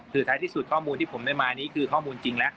คือท้ายที่สุดข้อมูลที่ผมได้มานี้คือข้อมูลจริงแล้ว